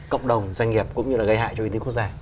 cộng đồng doanh nghiệp cũng như là gây hại cho kinh tế quốc gia